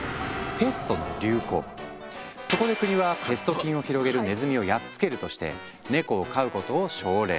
そこで国はペスト菌を広げるネズミをやっつけるとしてネコを飼うことを奨励。